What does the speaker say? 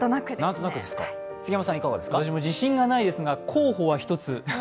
私も自信はないですが候補は１つ。